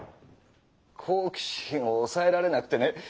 好奇心をおさえられなくてね。